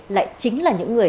lại chính là những người